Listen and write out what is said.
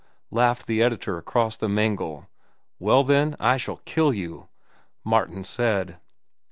laughed the editor across the mangle. "Well, then, I shall kill you," Martin said.